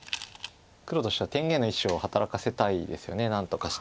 黒としては天元の石を働かせたいですよね何とかして。